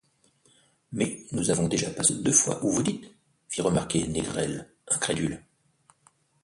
Mais nous avons déjà passé deux fois où vous dites, fit remarquer Négrel incrédule.